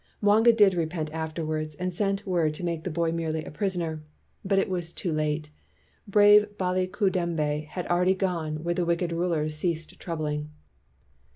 Mwanga did repent afterward, and sent word to make the boy merely a pris oner. But it was too late. Brave Baliku dembe had already gone where wicked rulers cease troubling.